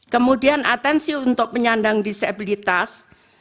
kemudian atensi untuk penyandang disabilitas